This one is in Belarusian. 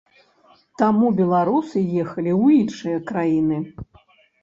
Таму беларусы ехалі ў іншыя краіны.